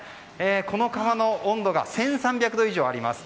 この窯の温度が１３００度以上あります。